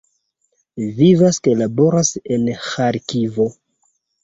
Vivas kaj laboras en Ĥarkivo.